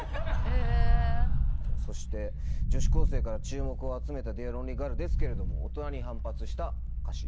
そして女子高生から注目を集めた『ディアロンリーガール』ですけれども大人に反発した歌詞。